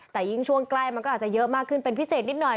แต่ยิ่งช่วงใกล้มันก็อาจจะเยอะมากขึ้นเป็นพิเศษนิดหน่อย